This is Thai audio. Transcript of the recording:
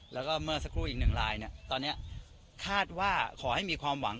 แล้วก็เมื่อสักครู่อีกหนึ่งลายเนี่ยตอนนี้คาดว่าขอให้มีความหวัง